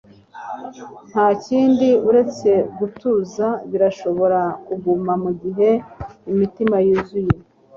Ntakindi uretse gutuza birashobora kuguma mugihe imitima yuzuye